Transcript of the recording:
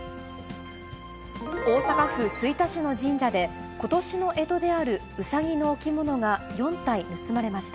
大阪府吹田市の神社で、ことしのえとであるうさぎの置物が４体盗まれました。